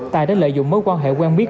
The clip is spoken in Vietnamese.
tài đã lợi dụng mối quan hệ quen biết